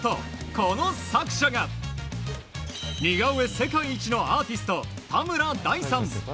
この作者が似顔絵世界一のアーティスト田村大さん。